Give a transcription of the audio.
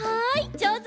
じょうず！